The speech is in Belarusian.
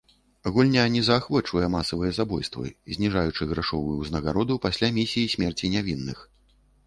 Гульня не заахвочвае масавыя забойствы, зніжаючы грашовую ўзнагароду пасля місіі смерці нявінных.